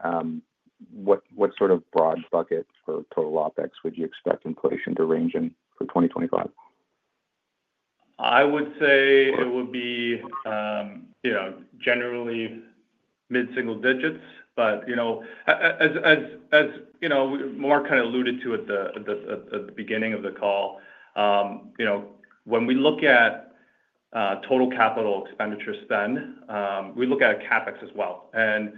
what sort of broad bucket for total OpEx would you expect inflation to range in for 2025? I would say it would be generally mid-single digits. But as Mark kind of alluded to at the beginning of the call, when we look at total capital expenditure spend, we look at CapEx as well. And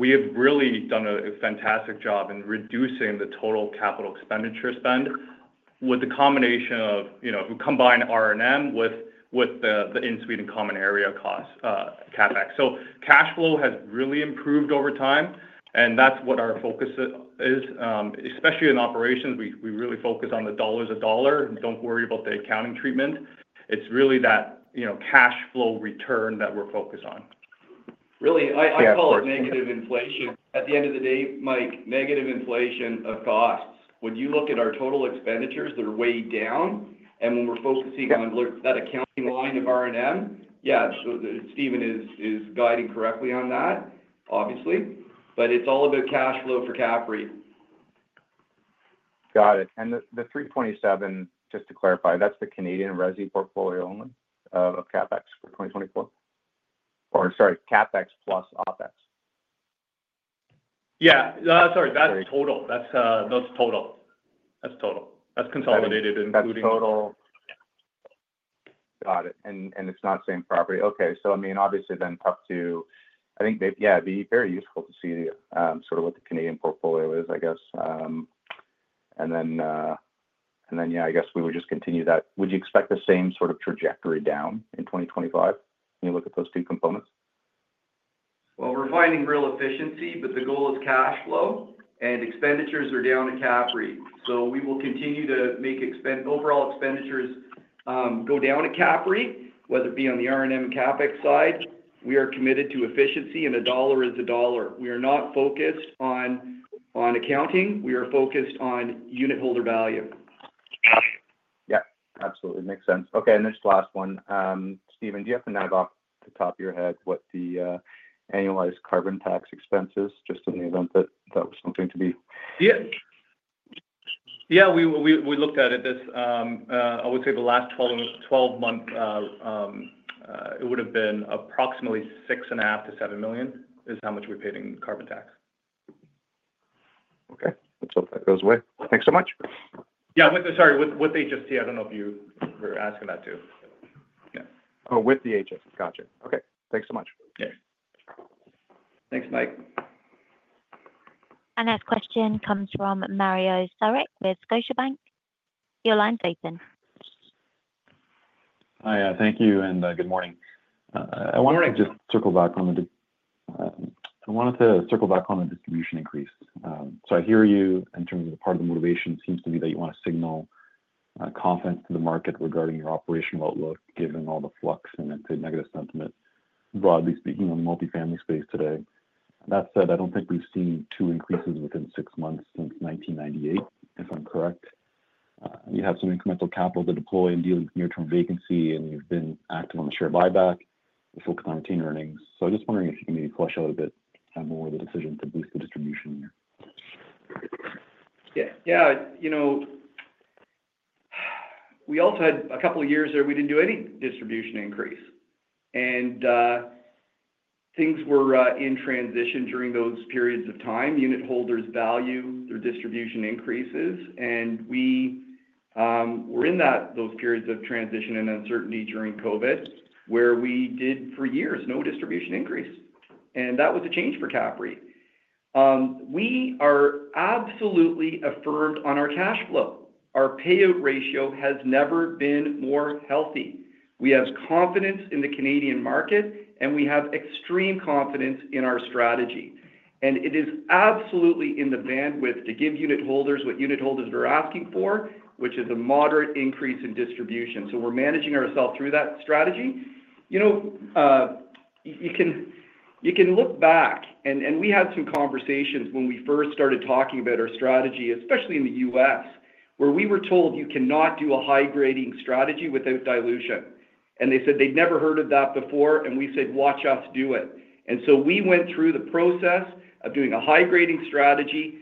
we have really done a fantastic job in reducing the total capital expenditure spend with the combination of if we combine R&M with the in-suite and common area cost CapEx. So cash flow has really improved over time, and that's what our focus is. Especially in operations, we really focus on the dollars a dollar. Don't worry about the accounting treatment. It's really that cash flow return that we're focused on. Really? I call it negative inflation. At the end of the day, Mike, negative inflation of costs. When you look at our total expenditures, they're way down, and when we're focusing on that accounting line of R&M, yeah, Stephen is guiding correctly on that, obviously, but it's all about cash flow for CAPREIT. Got it. And the 327, just to clarify, that's the Canadian resi portfolio only of CapEx for 2024? Or sorry, CapEx plus OpEx. Yeah. Sorry. That's total. That's consolidated, including. That's total. Got it. And it's not same property. Okay. So I mean, obviously, then tough to. I think, yeah, it'd be very useful to see sort of what the Canadian portfolio is, I guess. And then, yeah, I guess we would just continue that. Would you expect the same sort of trajectory down in 2025 when you look at those two components? We're finding real efficiency, but the goal is cash flow, and expenditures are down at CAPREIT. So we will continue to make overall expenditures go down at CAPREIT, whether it be on the R&M and CapEx side. We are committed to efficiency, and a dollar is a dollar. We are not focused on accounting. We are focused on unitholder value. Yeah. Absolutely. Makes sense. Okay. And this last one, Stephen, do you happen to have off the top of your head what the annualized carbon tax expense is just in the event that that was something to be? We looked at it. I would say the last 12 months, it would have been approximately 6.5 million to 7 million is how much we're paying in carbon tax. Okay. Let's hope that goes away. Thanks so much. Yeah. Sorry. With the HST, I don't know if you were asking that too. Yeah. Oh, with the HST. Gotcha. Okay. Thanks so much. Thanks, Mike. Our next question comes from Mario Saric with Scotiabank. Your line, Jason. Hi. Thank you. Good morning. I wanted to just circle back on the distribution increase. So I hear you in terms of part of the motivation seems to be that you want to signal confidence to the market regarding your operational outlook given all the flux and the negative sentiment, broadly speaking, in the multifamily space today. That said, I don't think we've seen two increases within six months since 1998, if I'm correct. You have some incremental capital to deploy in dealing with near-term vacancy, and you've been active on the share buyback to focus on retained earnings. So I'm just wondering if you can maybe flush out a bit more of the decision to boost the distribution here. Yeah. Yeah. We also had a couple of years there we didn't do any distribution increase, and things were in transition during those periods of time. Unitholders value their distribution increases, and we were in those periods of transition and uncertainty during COVID where we did, for years, no distribution increase, and that was a change for CAPREIT. We are absolutely affirmed on our cash flow. Our payout ratio has never been more healthy. We have confidence in the Canadian market, and we have extreme confidence in our strategy, and it is absolutely in the bandwidth to give unitholders what unitholders are asking for, which is a moderate increase in distribution, so we're managing ourselves through that strategy. You can look back, and we had some conversations when we first started talking about our strategy, especially in the U.S., where we were told you cannot do a high-grading strategy without dilution. And they said they'd never heard of that before. And we said, "Watch us do it." And so we went through the process of doing a high-grading strategy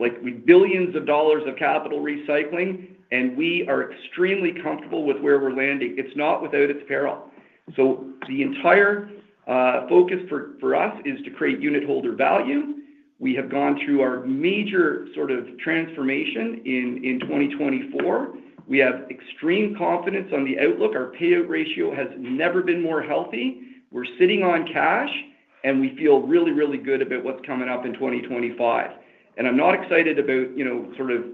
with billions of dollars of capital recycling. And we are extremely comfortable with where we're landing. It's not without its peril. So the entire focus for us is to create unitholder value. We have gone through our major sort of transformation in 2024. We have extreme confidence on the outlook. Our payout ratio has never been more healthy. We're sitting on cash, and we feel really, really good about what's coming up in 2025. And I'm not excited about sort of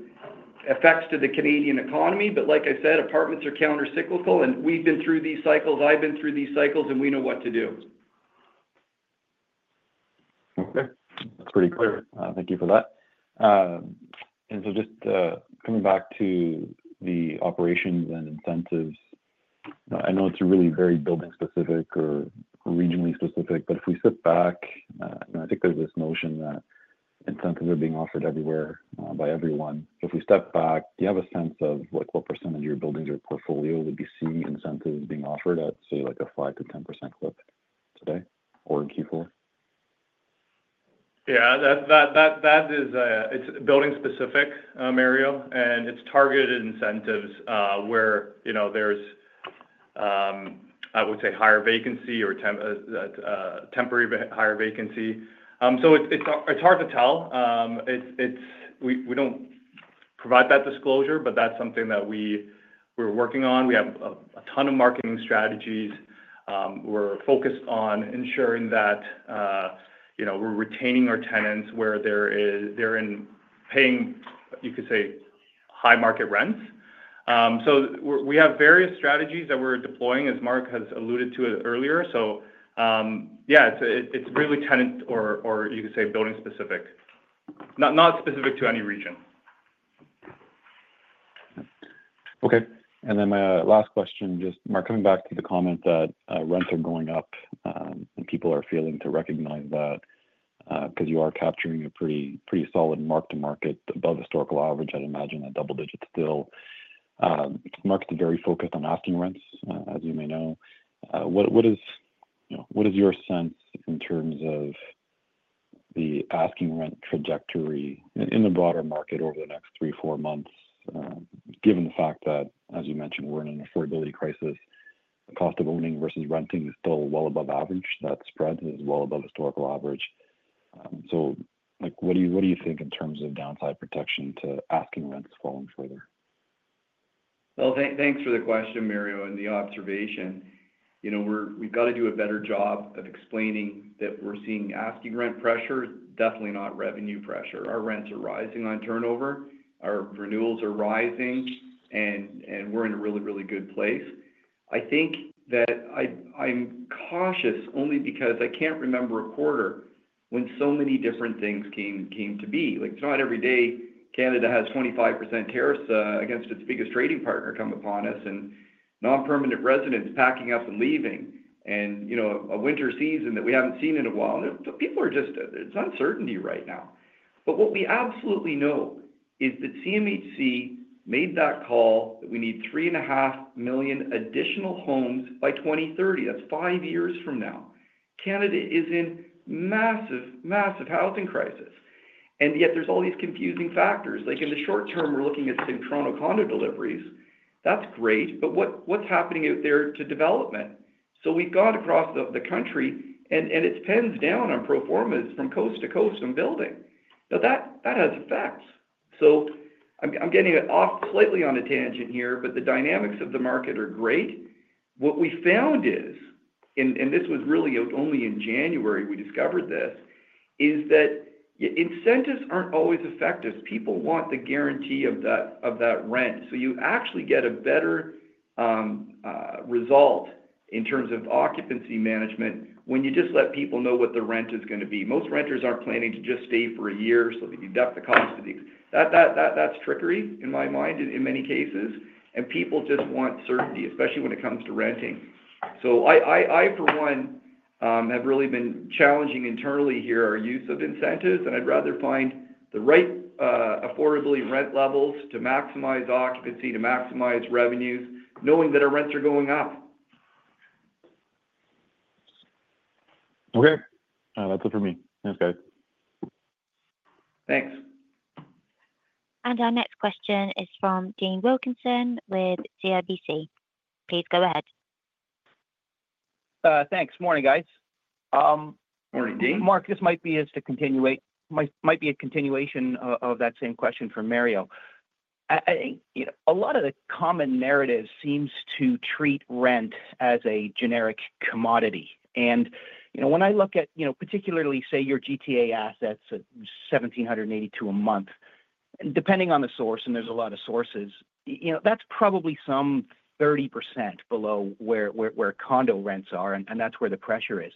effects to the Canadian economy, but like I said, apartments are countercyclical, and we've been through these cycles. I've been through these cycles, and we know what to do. Okay. That's pretty clear. Thank you for that. And so just coming back to the operations and incentives, I know it's really very building-specific or regionally specific, but if we sit back, I think there's this notion that incentives are being offered everywhere by everyone. If we step back, do you have a sense of what percentage of your buildings or portfolio would be seeing incentives being offered at, say, like a 5%-10% clip today or in Q4? Yeah. That is building-specific, Mario, and it's targeted incentives where there's, I would say, higher vacancy or temporary higher vacancy. So it's hard to tell. We don't provide that disclosure, but that's something that we're working on. We have a ton of marketing strategies. We're focused on ensuring that we're retaining our tenants where they're paying, you could say, high-market rents. So we have various strategies that we're deploying, as Mark has alluded to earlier. So yeah, it's really tenant or, you could say, building-specific, not specific to any region. Okay. And then my last question, just Mark, coming back to the comment that rents are going up and people are failing to recognize that because you are capturing a pretty solid mark-to-market above historical average, I'd imagine a double-digit still. The market's very focused on asking rents, as you may know. What is your sense in terms of the asking rent trajectory in the broader market over the next three, four months, given the fact that, as you mentioned, we're in an affordability crisis, the cost of owning versus renting is still well above average. That spread is well above historical average. So what do you think in terms of downside protection to asking rents falling further? Thanks for the question, Mario, and the observation. We've got to do a better job of explaining that we're seeing asking rent pressure, definitely not revenue pressure. Our rents are rising on turnover. Our renewals are rising, and we're in a really, really good place. I think that I'm cautious only because I can't remember a quarter when so many different things came to be. It's not every day Canada has 25% tariffs against its biggest trading partner come upon us and non-permanent residents packing up and leaving and a winter season that we haven't seen in a while. And people are just. It's uncertainty right now. But what we absolutely know is that CMHC made that call that we need 3.5 million additional homes by 2030. That's five years from now. Canada is in massive, massive housing crisis. And yet there's all these confusing factors. In the short term, we're looking at Sainte-Croix and O'Connor deliveries. That's great, but what's happening out there to development? So we've gone across the country, and it's pinned down on pro formas from coast to coast and building. Now, that has effects. So I'm getting off slightly on a tangent here, but the dynamics of the market are great. What we found is, and this was really only in January we discovered this, is that incentives aren't always effective. People want the guarantee of that rent. So you actually get a better result in terms of occupancy management when you just let people know what the rent is going to be. Most renters aren't planning to just stay for a year, so they deduct the cost. That's trickery in my mind in many cases, and people just want certainty, especially when it comes to renting. So I, for one, have really been challenging internally here our use of incentives, and I'd rather find the right affordability rent levels to maximize occupancy, to maximize revenues, knowing that our rents are going up. Okay. That's it for me. Thanks, guys. Thanks. Our next question is from Dean Wilkinson with CIBC. Please go ahead. Thanks. Morning, guys. Morning, Dean. Mark, this might be a continuation of that same question from Mario. A lot of the common narrative seems to treat rent as a generic commodity. And when I look at particularly, say, your GTA assets at $1,782 a month, depending on the source, and there's a lot of sources, that's probably some 30% below where condo rents are, and that's where the pressure is.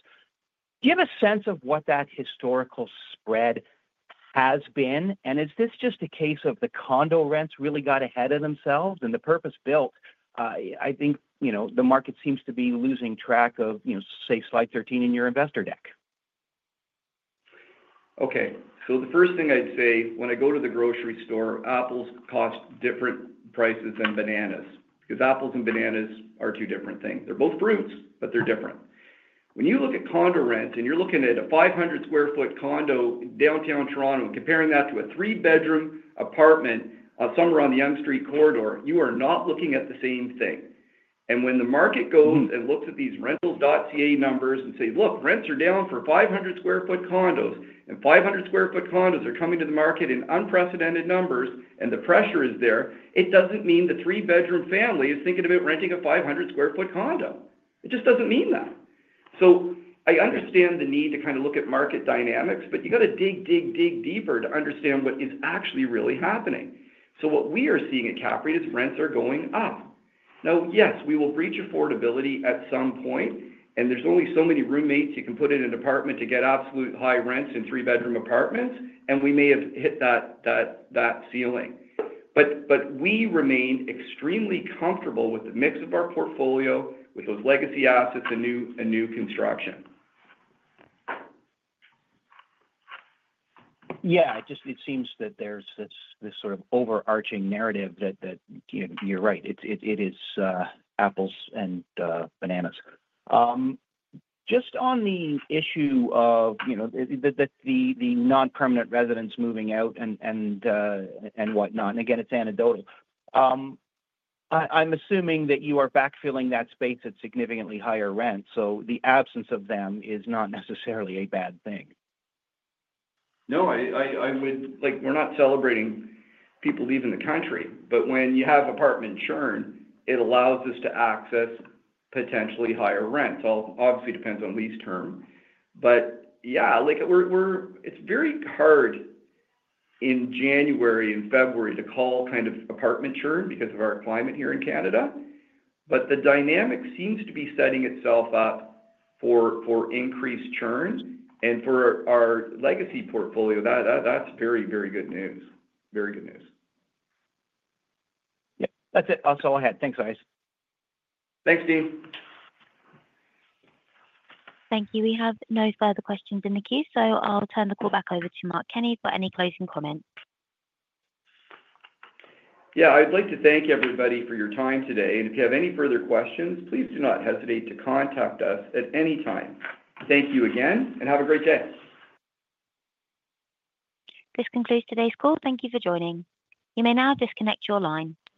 Do you have a sense of what that historical spread has been? And is this just a case of the condo rents really got ahead of themselves and the purpose built? I think the market seems to be losing track of, say, slide 13 in your investor deck. Okay. So the first thing I'd say, when I go to the grocery store, apples cost different prices than bananas because apples and bananas are two different things. They're both fruits, but they're different. When you look at condo rents and you're looking at a 500-square-foot condo in downtown Toronto, comparing that to a three-bedroom apartment somewhere on the Yonge Street corridor, you are not looking at the same thing. And when the market goes and looks at these Rentals.ca numbers and says, "Look, rents are down for 500-square-foot condos, and 500-square-foot condos are coming to the market in unprecedented numbers, and the pressure is there," it doesn't mean the three-bedroom family is thinking about renting a 500-square-foot condo. It just doesn't mean that. So I understand the need to kind of look at market dynamics, but you got to dig, dig, dig deeper to understand what is actually really happening. So what we are seeing at CAPREIT is rents are going up. Now, yes, we will breach affordability at some point, and there's only so many roommates you can put in an apartment to get absolute high rents in three-bedroom apartments, and we may have hit that ceiling. But we remain extremely comfortable with the mix of our portfolio with those legacy assets and new construction. Yeah. It seems that there's this sort of overarching narrative that you're right. It is apples and bananas. Just on the issue of the non-permanent residents moving out and whatnot, and again, it's anecdotal, I'm assuming that you are backfilling that space at significantly higher rents. So the absence of them is not necessarily a bad thing. No. We're not celebrating people leaving the country, but when you have apartment churn, it allows us to access potentially higher rents. Obviously, it depends on lease term. But yeah, it's very hard in January and February to call kind of apartment churn because of our climate here in Canada. But the dynamic seems to be setting itself up for increased churn. And for our legacy portfolio, that's very, very good news. Very good news. Yeah. That's it. That's all I had. Thanks, guys. Thanks, Dean. Thank you. We have no further questions in the queue, so I'll turn the call back over to Mark Kenney for any closing comments. Yeah. I'd like to thank everybody for your time today, and if you have any further questions, please do not hesitate to contact us at any time. Thank you again, and have a great day. This concludes today's call. Thank you for joining. You may now disconnect your line.